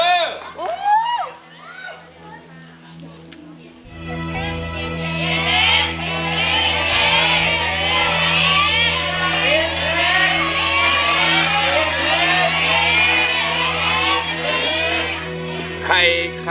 ใครใครนะครับ